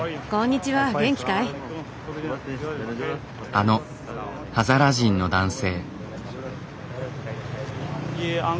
あのハザラ人の男性。